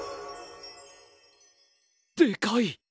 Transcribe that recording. でかい！